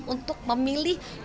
untuk memilih grand prize